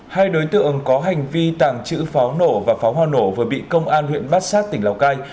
hai đối tượng có hành vi tàng trữ pháo nổ và pháo hoa nổ vừa bị công an huyện bát sát tỉnh lào cai